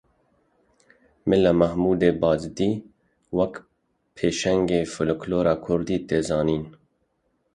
Mela Mahmûdê Bazidî wek pêşengê Folklora Kurdî tê zanîn.